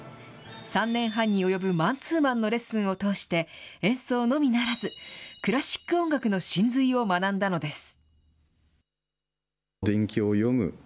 ３年半に及ぶマンツーマンのレッスンを通して、演奏のみならず、クラシック音楽の神髄を学んだのです。